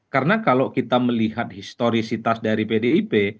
karena kalau kita melihat historisitas dari pdip